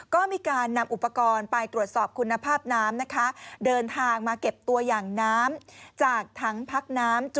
ก็มีการนำอุปกรณ์ไปตรวจสอบคุณภาพน้ำนะ